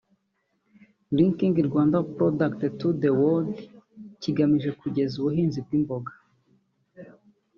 Linking Rwanda Products to The World’ kigamije kugeza ubuhinzi bw’imboga